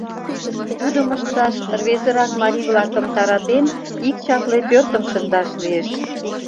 Тудым ышташ рвезырак марий-влакым таратен, ик чапле пӧртым шындаш лиеш.